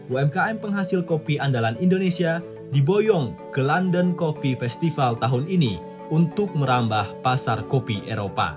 umkm penghasil kopi andalan indonesia diboyong ke london coffee festival tahun ini untuk merambah pasar kopi eropa